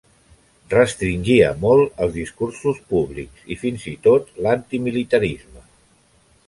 Restringia molt els discursos públics, i fins i tot l'antimilitarisme.